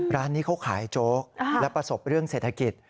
ร้านนี้เขาขายโจ๊กและประสบเรื่องเศรษฐกิจ